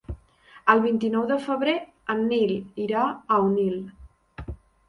El vint-i-nou de febrer en Nil irà a Onil.